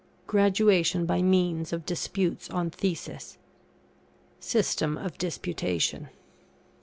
[GRADUATION BY MEANS OF DISPUTES ON THESIS.] SYSTEM OF DISPUTATION.